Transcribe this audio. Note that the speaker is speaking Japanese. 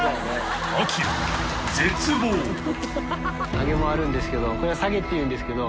上げもあるんですけどこれは下げっていうんですけど。